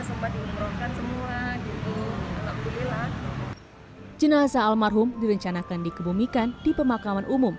sempat diumumkan semua gitu alhamdulillah jenazah almarhum direncanakan dikebumikan di pemakaman umum